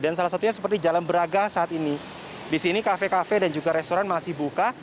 dan salah satunya seperti jalan beragah saat ini di sini kafe kafe dan juga restoran masih buka